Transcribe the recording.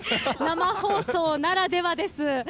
生放送ならではです。